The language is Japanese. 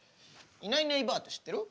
いないいないばあって知ってる？